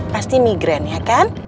pasti migren ya kan